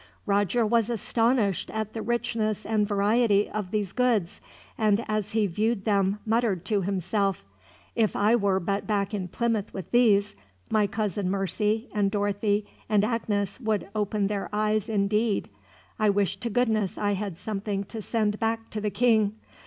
Roger was astonished at the richness and variety of these goods, and as he viewed them muttered to himself: "If I were but back in Plymouth with these, my Cousin Mercy and Dorothy and Agnes would open their eyes, indeed. I wish to goodness I had something to send back to the king.